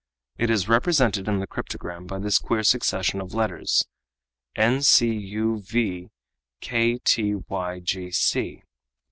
It is represented in the cryptogram by this queer succession of letters, ncuvktygc.